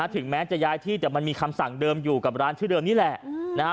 ถึงแม้จะย้ายที่แต่มันมีคำสั่งเดิมอยู่กับร้านชื่อเดิมนี่แหละ